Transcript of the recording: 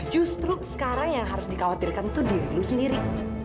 justru sekarang yang harus dikhawatirkan itu diri lu sendiri